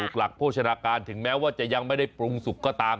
หลักโภชนาการถึงแม้ว่าจะยังไม่ได้ปรุงสุกก็ตาม